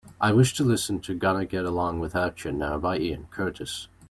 I wish to listen to Gonna Get Along Without Ya Now by Ian Curtis.